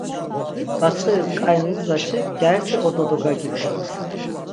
Daçxiris k̆ai nugzaşi gyariti ordo dogagiben.